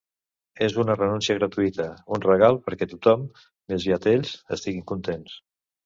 És una renúncia gratuïta, un regal perquè tothom, més aviat ells, estiguin contents.